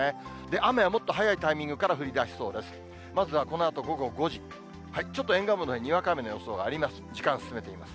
雨はもっと早いタイミングから降りだしそうです。